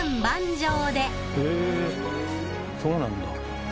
へぇそうなんだ。